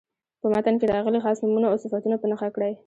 په متن کې راغلي خاص نومونه او صفتونه په نښه کړئ.